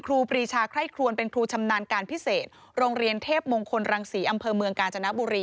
ครีชาไคร่ครวนเป็นครูชำนาญการพิเศษโรงเรียนเทพมงคลรังศรีอำเภอเมืองกาญจนบุรี